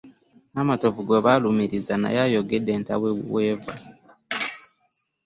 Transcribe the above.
Namatovu gwe balumirizza naye ayogedde entabwe weva.